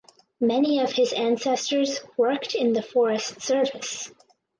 Many of his ancestors worked in the forest service.